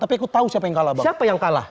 tapi aku tahu siapa yang kalah siapa yang kalah